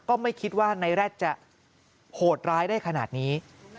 ก็ไม่คิดว่านายแร็ดจะโหดร้ายได้ขนาดนี้